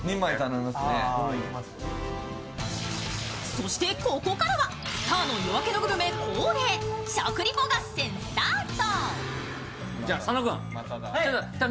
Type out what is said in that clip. そしてここからは「スターの夜明けのグルメ」恒例、食リポ合戦スタート。